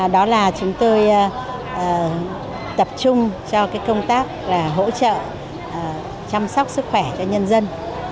đó là chúng tôi tập trung cho công tác hỗ trợ chăm sóc sức khỏe cho nhân dân